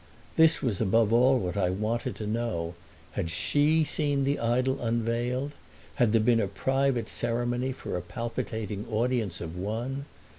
This was above all what I wanted to know: had she seen the idol unveiled? Had there been a private ceremony for a palpitating audience of one?